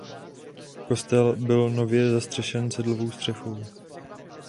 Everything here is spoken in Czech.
Kostel byl nově zastřešen sedlovou střechou.